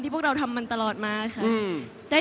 พวกเราทำมันตลอดมาค่ะ